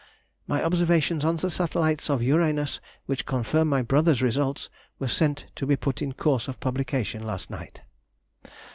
My observations on the satellites of Uranus, which confirm my brother's results, were sent to be put in course of publication last night."